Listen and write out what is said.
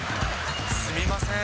すみません。